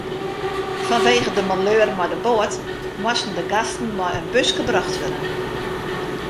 Fanwegen de maleur mei de boat moasten de gasten mei in buske brocht wurde.